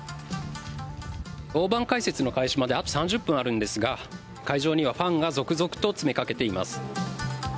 大盤解説の開始まであと３０分あるんですが会場にはファンが続々と詰めかけています。